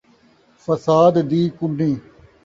فساد دی کنّی